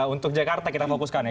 untuk jakarta kita fokuskan ya